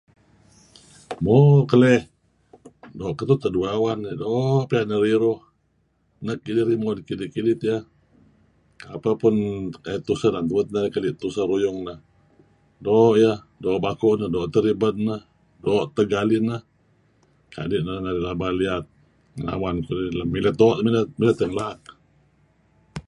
Mo keleh kapeh teh duih awan doo' piyan neh ririuh, muit riruh kidih-kidih tiyeh am tebuut teh narih keli' tuseh ruyung neh. Doo' iyeh, doo' baku' neh, doo' teh ribed neh, doo' teh galih neh kadi' neh narih laba liyat ngen awan kudih, doo' mileh tiyeh ngelaak.